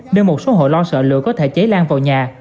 nên một số hộ lo sợ lửa có thể cháy lan vào nhà